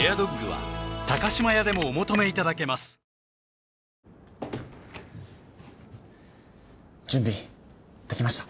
本麒麟準備できました？